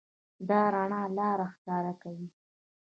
دا رڼا لاره ښکاره کوي.